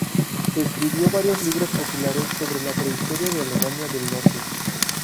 Escribió varios libros populares sobre la prehistoria de Alemania del Norte.